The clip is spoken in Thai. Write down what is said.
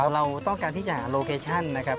เราต้องการที่จะโลเคชั่นนะครับ